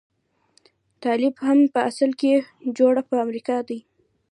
طالب هم په اصل کې جوړ په امريکا دی.